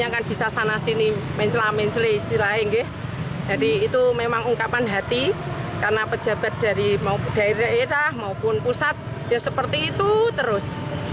karena pejabat dari daerah maupun pusat ya seperti itu terus